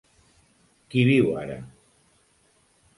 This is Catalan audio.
Qui viu ara?